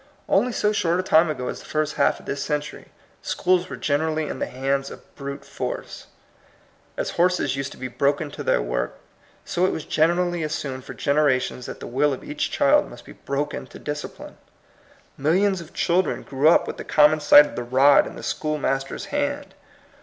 Only so short a time ago as the first half of this century schools were generally in the hands of brute forcQ. As horses used to be broken to their work, so it was generally assumed for generations that the will of each child must be broken to discipline. Millions of children grew up with the com mon sight of the rod in the schoolmas ter's hand.